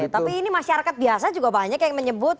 tapi ini masyarakat biasa juga banyak yang menyebut